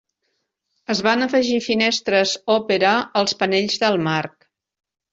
Es van afegir finestres "Opera" als panells del marc.